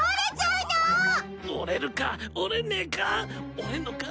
折れんのか？